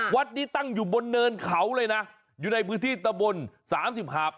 วัดนี้ตั้งอยู่บนเนินเขาเลยนะอยู่ในพื้นที่ตะบนสามสิบหาบ